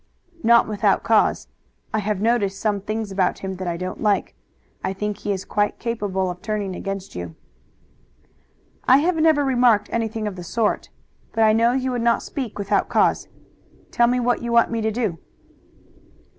"Not without cause. I have noticed some things about him that I don't like. I think he is quite capable of turning against you." "I have never remarked anything of the sort, but I know you would not speak without cause. Tell me what you want me to do."